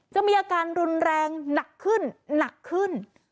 จะมีอาการรุนแรงหนักขึ้น